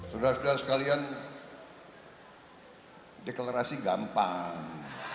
sudah sudah sekalian deklarasi gampang